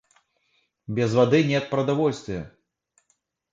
Без воды нет продовольствия.